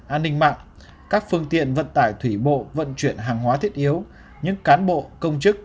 an ninh mạng các phương tiện vận tải thủy bộ vận chuyển hàng hóa thiết yếu những cán bộ công chức